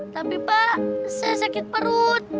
tapi pak saya sakit perut